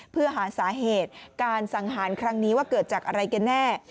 เพื่อหาสาเหตุการสังหารครั้งนี้ว่าเกิดจากอะไรกันแน่